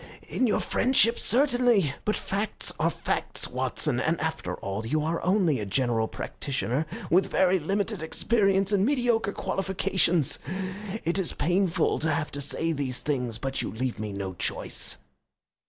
"In your friendship, certainly. But facts are facts, Watson, and, after all, you are only a general practitioner with very limited experience and mediocre qualifications. It is painful to have to say these things, but you leave me no choice."